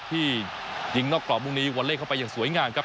ที่ยิงนอกกรอบพรุ่งนี้วอลเล่เข้าไปอย่างสวยงามครับ